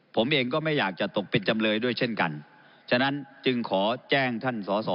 ผมเองก็ไม่อยากจะตกเป็นจำเลยด้วยเช่นกันฉะนั้นจึงขอแจ้งท่านสอสอ